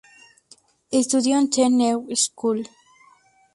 Estudió en The New School.